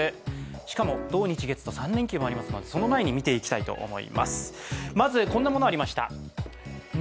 しかも、土日月と３連休もありますのでその前に見ていきたいと思います。